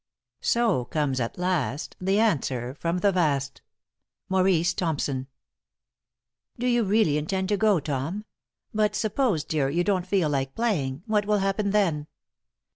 * So comes, at last, The answer from the Vast. MAURICE THOMPSON. "Do you really intend to go, Tom? But suppose, dear, you don't feel like playing; what will happen then?